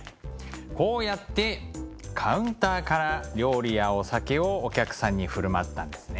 こうやってカウンターから料理やお酒をお客さんに振る舞ったんですね。